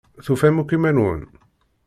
Tufam akk iman-nwen?